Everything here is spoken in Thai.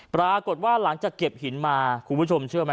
ปรากฏว่าหลังจากเก็บหินมาคุณผู้ชมเชื่อไหม